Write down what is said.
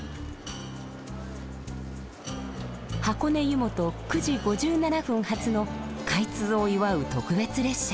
湯本９時５７分発の開通を祝う特別列車。